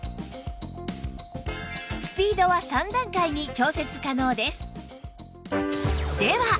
スピードは３段階に調節可能です